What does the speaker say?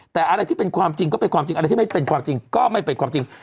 แต่อะไรที่เป็นความจริงก็เป็นความจริงอะไรที่ไม่เป็นความจริงก็ไม่เป็นความจริง